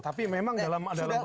tapi memang dalam pemilu